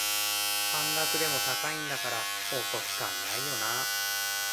半額でも高いんだからお得感ないよなあ